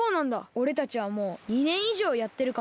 おれたちはもう２ねんいじょうやってるかな。